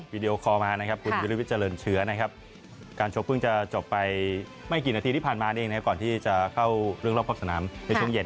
วีดีโอคอล์มาคุณวิลวิทย์เจริญเฉือการช็อกเพิ่งจะจบไปไม่กี่นาทีที่ผ่านมาก่อนที่จะเข้าเรื่องรอบพรรคสนามในช่วงเหย็ด